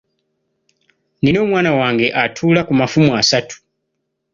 Nina omwana wange atuula ku mafumu asatu.